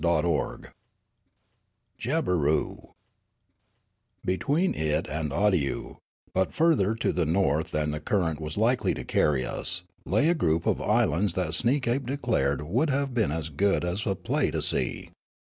CHAPTER XXII JABBEROO BETWEEN it and Awdyoo, but farther to the north than the current was likely to carry us, lay a group of islands that Sneekape declared would have been as good as a play to see.